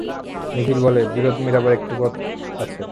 নিখিল বলে, বিরোধ মেটাবার একটিমাত্র পথ আছে।